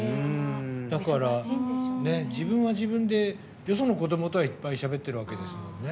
だから、自分は自分でよその子どもとはいっぱいしゃべってるわけですもんね。